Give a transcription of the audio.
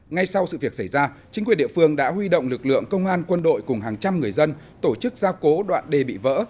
ngay sau sự việc xảy ra chính quyền địa phương đã huy động lực lượng công an quân đội cùng hàng trăm người dân tổ chức gia cố đoạn đề bị vỡ